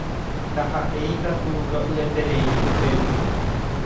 Ndaha'éikatu ro'yeterei upérupi.